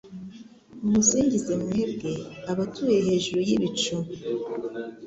mumusingize mwebwe abatuye hejuru y’ibicu